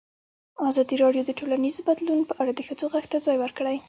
ازادي راډیو د ټولنیز بدلون په اړه د ښځو غږ ته ځای ورکړی.